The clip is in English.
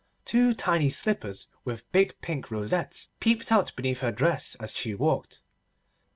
Two tiny slippers with big pink rosettes peeped out beneath her dress as she walked.